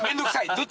どっち？